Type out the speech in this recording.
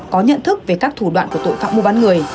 có nhận thức về các thủ đoạn của tội phạm mua bán người